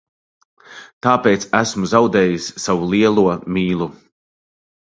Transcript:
Tāpēc esmu zaudējis savu lielo mīlu.